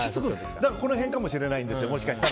だからこの辺かもしれないんですよ。